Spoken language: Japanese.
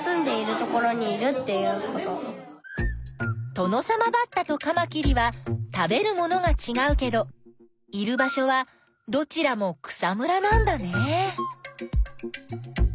トノサマバッタとカマキリは食べるものがちがうけどいる場所はどちらも草むらなんだね。